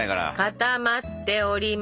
固まっております。